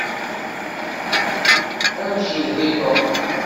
Ad ncedhi Tom.